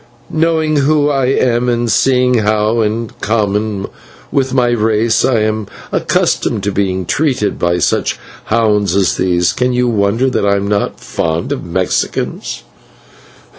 "Knowing who I am and seeing how, in common with my race, I am accustomed to be treated by such hounds as these, can you wonder that I am not fond of Mexicans?"